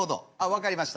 分かりました。